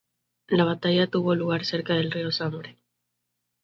La batalla tuvo lugar cerca del río Sambre.